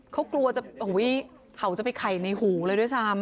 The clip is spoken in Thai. กินหูไว้กินหูไว้